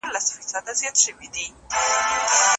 د پانوس جنازه وزي خپلي شمعي سوځولی